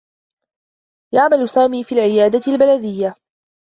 يعمل سامي في العيادة البلديّة.